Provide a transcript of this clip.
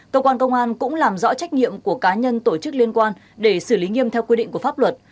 cơ quan công an cũng làm rõ trách nhiệm của cá nhân tổ chức liên quan để xử lý nghiêm theo quy định của pháp luật